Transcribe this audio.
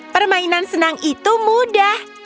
permainan senang itu mudah